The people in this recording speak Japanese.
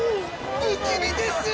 不気味です！